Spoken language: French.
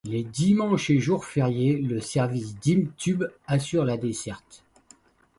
Les dimanches et jours fériés, le service Dim'Tub assure la desserte.